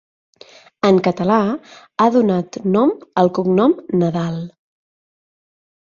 En català, ha donat nom al cognom Nadal.